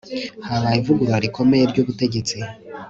habaye ivugurura rikomeye ry'ubutegetsi